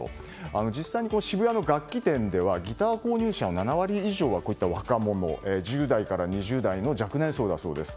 実際に渋谷の楽器店ではギター購入者の７割以上はこういった若者で１０代から２０代の若年層だそうです。